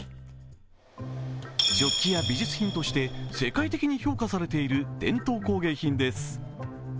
食器や美術品として世界的に評価されている伝統工芸品です。